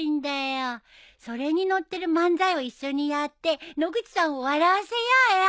それに載ってる漫才を一緒にやって野口さんを笑わせようよ。